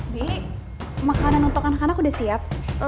makanan untuk anak anak udah siap